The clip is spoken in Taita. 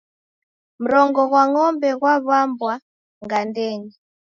Mrongo ghwa ng'ombe ghwaw'ambwa gandenyi